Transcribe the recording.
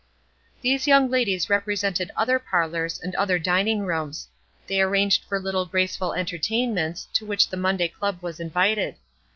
These young ladies represented other parlors and other dining rooms. They arranged for little graceful entertainments, to which the Monday Club was invited.